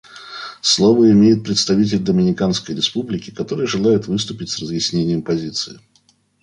Слово имеет представитель Доминиканской Республики, который желает выступить с разъяснением позиции.